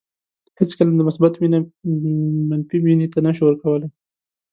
هیڅکله د مثبت وینه منفي وینې ته نشو ورکولای.